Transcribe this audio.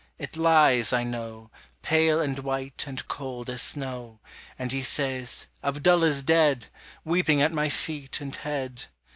it lies, I know, Pale and white and cold as snow; And ye says, "Abdullah's dead!" Weeping at my feet and head.